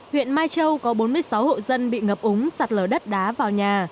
huyện mai châu có bốn mươi sáu hộ dân bị ngập úng sạt lở đất đá vào nhà